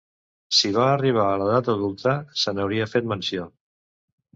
Si va arribar a l'edat adulta, se n'hauria fet menció.